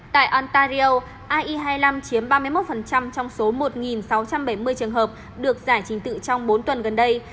tại antario ai hai mươi năm chiếm ba mươi một trong số một sáu trăm bảy mươi trường hợp được giải trình tự trong bốn tuần gần đây